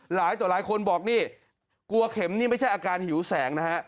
หลายตัวหลายคนบอกกลัวเข็มนี่ไม่ใช่อาการหิวแสงนะ